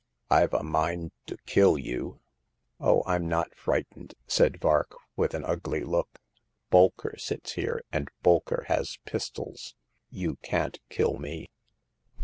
IVe a mind to kill you." Oh, Fm not frightened," said Vark, with an ugly look. Bolker sits here, and Bolker has pistols. You can't kill me."